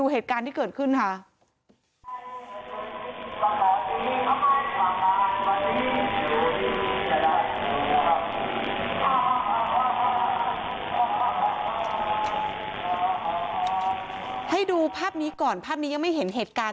ให้ดูภาพนี้ก่อนภาพนี้ยังไม่เห็นเหตุการณ์